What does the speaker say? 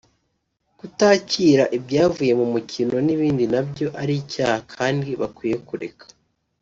kutakira ibyavuye mu mukino n’ibindi nabyo ari icyaha kandi bakwiye kureka